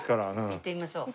行ってみましょう。